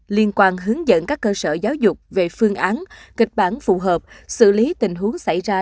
liên quan hướng dẫn các cơ sở giáo dục về phương án kịch bản phù hợp xử lý tình huống xảy ra